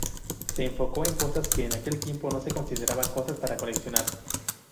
Se enfocó en cosas que en aquel tiempo no se consideraba cosas para coleccionar.